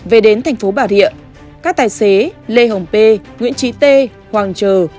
về đến thành phố bà rịa các tài xế lê hồng p nguyễn trí tê hoàng trờ